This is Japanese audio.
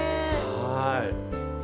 はい。